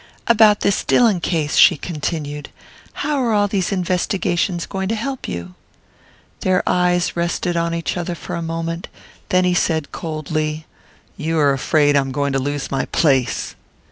"About this Dillon case," she continued. "How are all these investigations going to help you?" Their eyes rested on each other for a moment; then he said coldly: "You are afraid I am going to lose my place."